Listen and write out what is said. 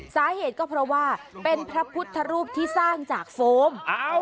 สาเหตุก็เพราะว่าเป็นพระพุทธรูปที่สร้างจากโฟม